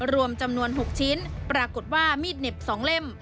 รวมจำนวน๖ชิ้นปรากฏว่ามีดเหน็บ๒เล่ม